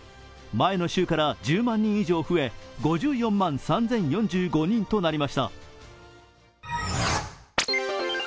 前の週から１０万人以上増え、５４万３０４５人となりました。